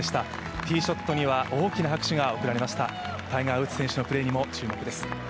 ティーショットには大きな拍手が送られましたタイガー・ウッズ選手のプレーにも注目です。